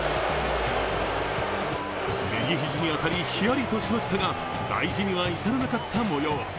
右肘に当たり、ヒヤリとしましたが大事には至らなかったもよう。